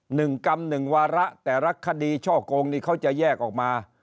หนึ่งกรรมหนึ่งวาระแต่ละคดีช่อกงนี่เขาจะแยกออกมา